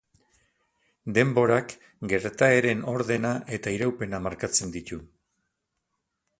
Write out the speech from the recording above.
Denborak gertaeren ordena eta iraupena markatzen ditu.